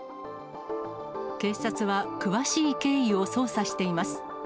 警察は詳しい経緯を捜査しています。